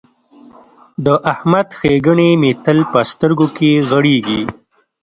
د احمد ښېګڼې مې تل په سترګو کې غړېږي.